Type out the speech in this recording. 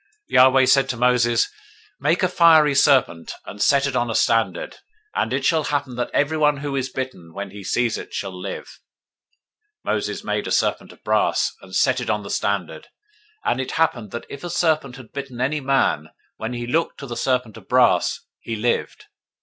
021:008 Yahweh said to Moses, Make you a fiery serpent, and set it on a standard: and it shall happen, that everyone who is bitten, when he sees it, shall live. 021:009 Moses made a serpent of brass, and set it on the standard: and it happened, that if a serpent had bitten any man, when he looked to the serpent of brass, he lived.